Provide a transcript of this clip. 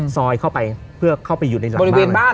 ซอยเข้าไปเพื่อเข้าไปหยุดในหลังบ้าน